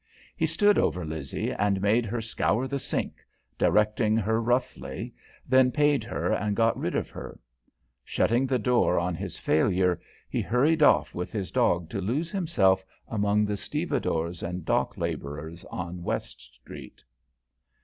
He stood over Lizzie and made her scour the sink, directing her roughly, then paid her and got rid of her. Shutting the door on his failure, he hurried off with his dog to lose himself among the stevedores and dock labourers on West Street.